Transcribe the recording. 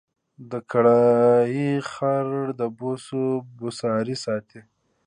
د کرهالې خړ د بوسو بوساړې ساتي